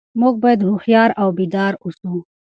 موږ باید هوښیار او بیدار اوسو.